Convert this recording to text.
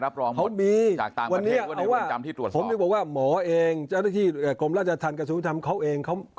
บอกเขามีใบแพทย์รับรอง